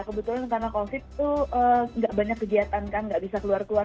kebetulan karena covid tuh gak banyak kegiatan kan gak bisa keluar keluar